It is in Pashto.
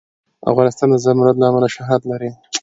افغانستان د زمرد له امله شهرت لري.